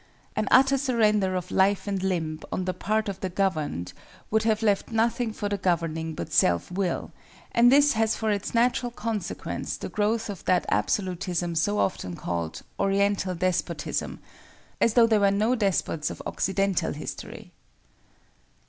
An utter surrender of "life and limb" on the part of the governed would have left nothing for the governing but self will, and this has for its natural consequence the growth of that absolutism so often called "oriental despotism,"—as though there were no despots of occidental history!